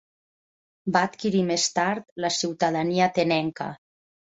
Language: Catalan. Va adquirir més tard la ciutadania atenenca.